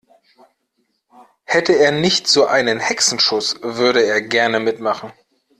Hätte er nicht so einen Hexenschuss, würde er gerne mitmachen.